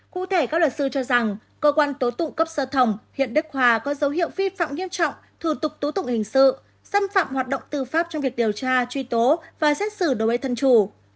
cụ thể các luật sư cho rằng cơ quan tố tụ cấp sơ thẩm huyện đức hòa có dấu hiệu vi phạm nghiêm trọng thủ tục tố tụng hình sự xâm phạm hoạt động tư pháp trong việc điều tra truy tố và xét xử đối với thân chủ